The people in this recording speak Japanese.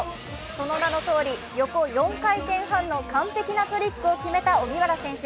その名のとおり横４回転半の完璧なトリックを決めた荻原選手。